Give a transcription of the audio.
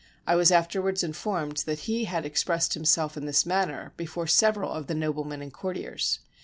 I was afterwards informed that he had ex pressed himself in this manner before several of the noblemen and courtiers.